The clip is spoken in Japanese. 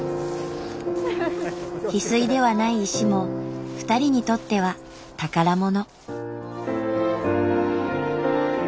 ヒスイではない石も２人にとっては宝物。